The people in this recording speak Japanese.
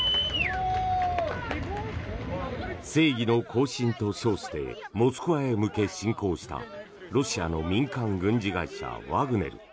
正義の行進と称してモスクワへ向け、進攻したロシアの民間軍事会社ワグネル。